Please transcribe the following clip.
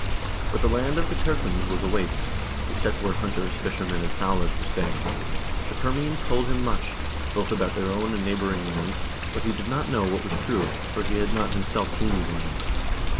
But the land of the Terfinns was a waste, except where hunters, fisher men, and fowlers were staying. The Permians told him much, both about their own and neighboring lands, but he did not know what was true, for he had not himself seen these lands.